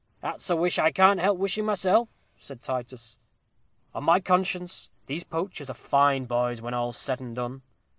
"That's a wish I can't help wishing myself," said Titus: "on my conscience, these poachers are fine boys, when all's said and done."